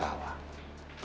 dan kalian ketawa